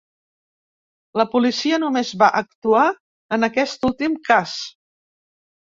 La policia només va actuar en aquest últim cas.